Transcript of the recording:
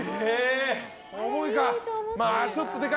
重いか。